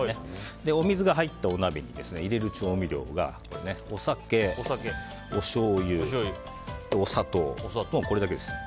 お水が入ったお鍋に入れる調味料がお酒、おしょうゆ、お砂糖これだけです。